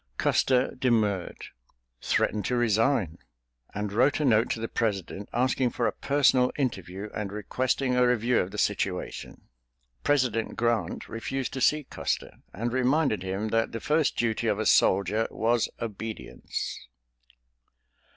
Custer demurred—threatened to resign—and wrote a note to the President asking for a personal interview and requesting a review of the situation. President Grant refused to see Custer, and reminded him that the first duty of a soldier was obedience.